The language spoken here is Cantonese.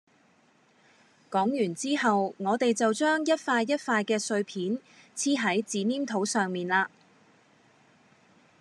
講完之後我哋就將一塊一塊嘅碎片黐喺紙黏土上面嘞